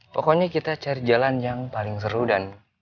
pokoknya kita cari jalan yang paling seru dan